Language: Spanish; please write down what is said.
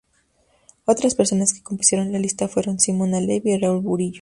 Otras personas que compusieron la lista fueron Simona Levi y Raúl Burillo.